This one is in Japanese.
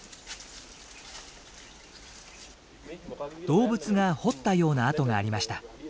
動物が掘ったような跡がありました。